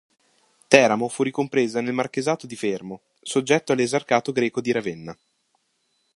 Teramo fu ricompresa nel Marchesato di Fermo, soggetto all'Esarcato greco di Ravenna.